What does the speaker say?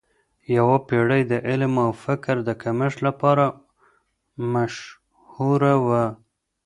یوه پیړۍ د علم او فکر د کمښت لپاره مشهوره وه.